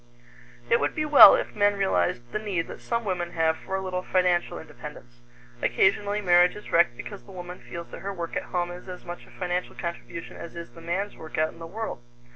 It would be well if men realized the need that some women have for a little financial independence. Occasionally marriage is wrecked because the woman feels that her work at home is as much a financial contribution as is the man's work out in the world.